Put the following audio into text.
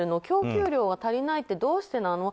供給量が足りないってどうしてなの。